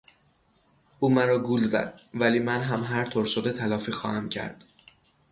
او مرا گول زد ولی من هم هر طور شده تلافی خواهم کرد.